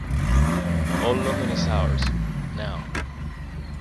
All London is ours — now.